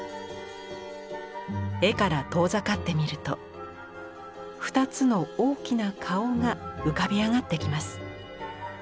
絵から遠ざかってみると２つの大きな顔が浮かび上がってきます。